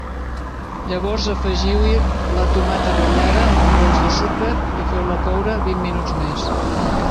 Llavors afegiu-hi la tomata ratllada amb un pols de sucre i feu-la coure vint minuts més.